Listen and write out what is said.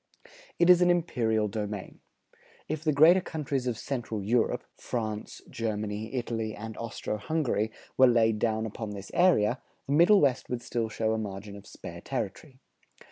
It is an imperial domain. If the greater countries of Central Europe, France, Germany, Italy, and Austro Hungary, were laid down upon this area, the Middle West would still show a margin of spare territory.